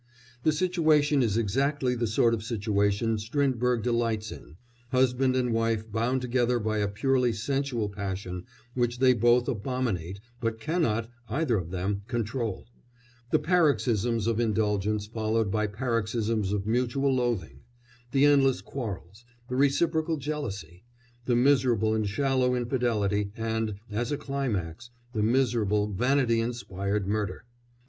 The situation is exactly the sort of situation Strindberg delights in: husband and wife bound together by a purely sensual passion which they both abominate but cannot, either of them, control; the paroxysms of indulgence followed by paroxysms of mutual loathing; the endless quarrels; the reciprocal jealousy; the miserable and shallow infidelity; and, as a climax, the miserable, vanity inspired murder.